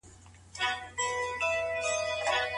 خاوند او مېرمن څنګه کولای سي چي د بل زينت سي؟